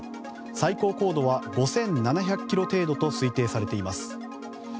最高高度は５７００ｋｍ程度と推定されています。